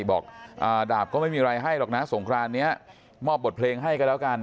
บอกดาบก็ไม่มีอะไรให้หรอกนะสงครานนี้มอบบทเพลงให้กันแล้วกัน